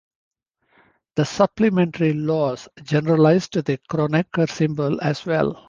The "supplementary laws" generalize to the Kronecker symbol as well.